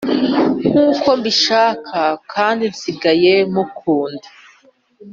Nkuko mbishaka kandi nsigaye mukunda